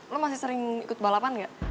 lo masih sering ikut balapan gak